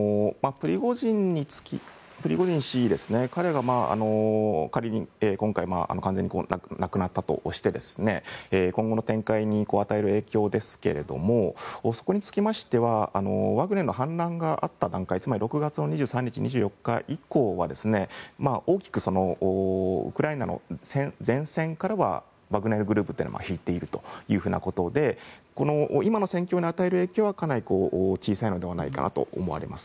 プリゴジン、彼が仮に今回、亡くなったとして今後の展開に与える影響ですけどそれについてはワグネルの反乱があった段階つまり６月２３日、２４日以降は大きくウクライナの前線からはワグネルグループは引いているということで今の戦況に与える影響はかなり小さいと思われます。